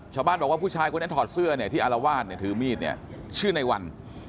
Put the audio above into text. ชาวบ้านบอกว่าผู้ชายคนนั้นถอดเสื้อที่อารวาลถือมีดชื่อในวัน